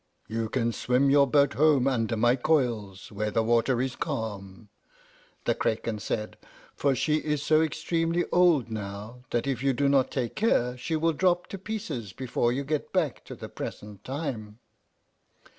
"You can swim your boat home under my coils where the water is calm," the Craken said, "for she is so extremely old now, that if you do not take care she will drop to pieces before you get back to the present time."